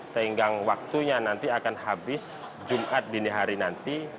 tenggang waktunya nanti akan habis jumat dini hari nanti